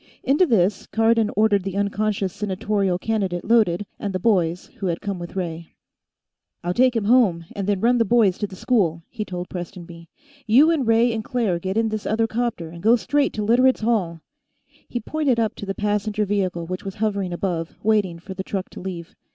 Into this, Cardon ordered the unconscious senatorial candidate loaded, and the boys who had come with Ray. "I'll take him home, and then run the boys to the school," he told Prestonby. "You and Ray and Claire get in this other 'copter and go straight to Literates' Hall." He pointed up to the passenger vehicle which was hovering above, waiting for the truck to leave.